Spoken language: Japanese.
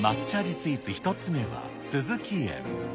スイーツ１つ目は、壽々喜園。